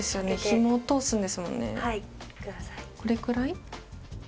これくらい？